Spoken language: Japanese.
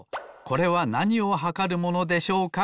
「これはなにをはかるものでしょうか？